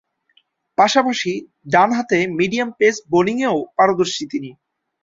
পাশাপাশি ডানহাতে medium pace বোলিংয়েও পারদর্শী তিনি।